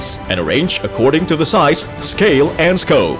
dan diaturkan menurut ukuran skala dan skopi